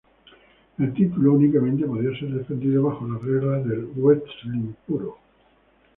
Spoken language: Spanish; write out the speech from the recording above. El título únicamente podía ser defendido bajo las reglas del wrestling puro.